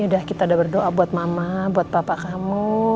yaudah kita udah berdoa buat mama buat papa kamu